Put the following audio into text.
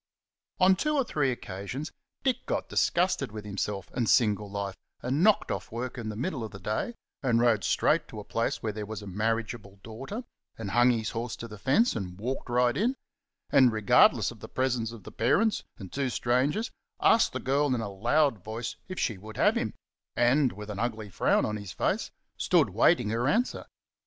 On two or three occasions Dick got disgusted with himself and single life, and knocked off work in the middle of the day, and rode straight to a place where there was a marriageable daughter, and hung his horse to the fence and walked right in, and regardless of the presence of the parents and two strangers asked the girl in a loud voice if she would have him, and with an ugly frown on his face stood waiting her answer.